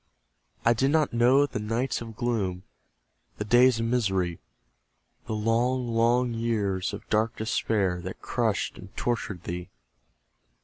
I did not know the nights of gloom, The days of misery; The long, long years of dark despair, That crushed and tortured thee.